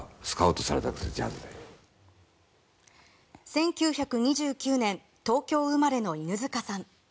１９２９年東京生まれの犬塚さん。